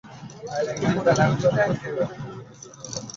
কিন্তু পরিপত্র জারি করতে গিয়ে দেখা গেল, কিছু জটিলতা রয়ে গেছে।